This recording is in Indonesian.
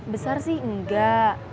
besar sih enggak